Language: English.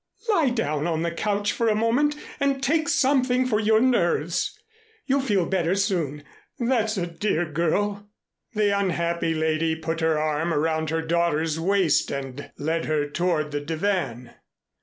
Lie down on the couch for a moment, and take something for your nerves. You'll feel better soon, that's a dear girl." The unhappy lady put her arm around her daughter's waist and led her toward the divan.